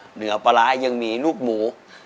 เหนือปลาร้ายังมีลูกหมู